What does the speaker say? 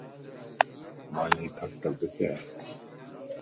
مانجي کٽ ڪٿي؟